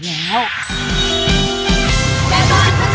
๑ช้อนครับ